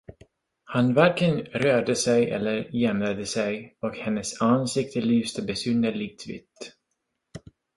Han varken rörde sig eller jämrade sig, och hennes ansikte lyste besynnerligt vitt.